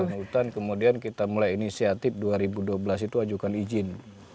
hutan kemudian kita mulai inisiatif dua ribu dua belas itu ajukan izin